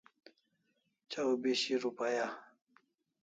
Chaw bishi rupaya